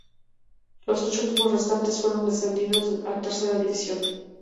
Los ocho equipos restantes fueron descendidos a Tercera División.